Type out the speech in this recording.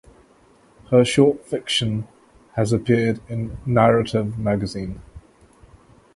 Her short fiction has appeared in "Narrative Magazine".